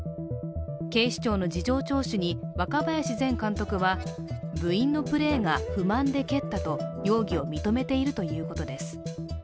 警視庁の事情聴取に若林前監督は、部員のプレーが不満で蹴ったと容疑を認めているということです。